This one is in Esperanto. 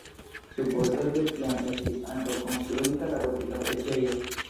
Supozeble tiam estis ankaŭ konstruita la gotika preĝejo.